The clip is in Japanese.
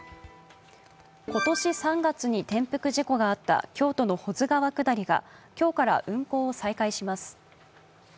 今年３月に転覆事故があった京都の保津川下りが今日から運航を再開します。